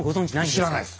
知らないです。